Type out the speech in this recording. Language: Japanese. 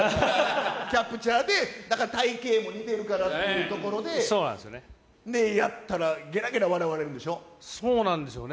キャプチャーで、体形も似てるからっていうところで、やったら、そうなんですよね。